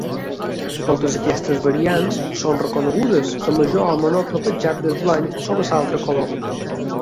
Totes aquestes variants són reconegudes, amb major o menor clapejat del blanc sobre l'altre color.